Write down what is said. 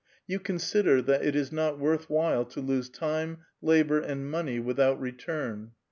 You consider that it is , laot worth while to lose time, labor, and money without re ' "turn.